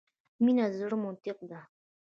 مینه د زړه منطق ده .